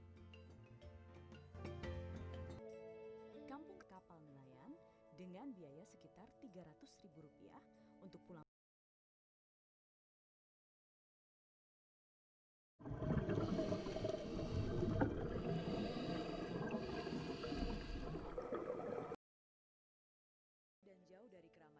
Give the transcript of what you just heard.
kampung ketapal melayang dengan biaya sekitar tiga ratus rupiah untuk pulang